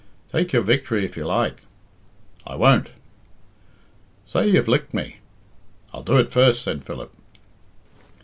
"Take your victory if you like." "I won't." "Say you've licked me." "I'll do it first," said Philip.